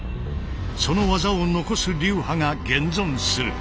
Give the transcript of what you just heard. その技を残す流派が現存する。